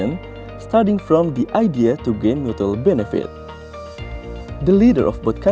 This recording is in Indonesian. mulai dari ide untuk mendapatkan keuntungan mutu